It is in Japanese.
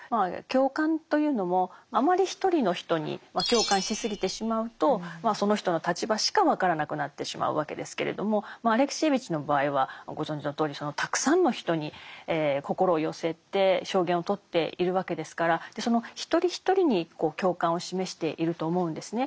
共感というのもあまり１人の人に共感しすぎてしまうとその人の立場しか分からなくなってしまうわけですけれどもアレクシエーヴィチの場合はご存じのとおりたくさんの人に心を寄せて証言をとっているわけですからその一人一人に共感を示していると思うんですね。